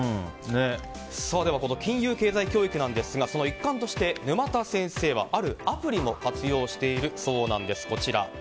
金融経済教育なんですがその一環として沼田先生は、あるアプリを活用しているそうなんです。